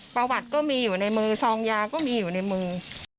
ประวัติก็มีอยู่ในมือซองยาก็มีอยู่ในมือ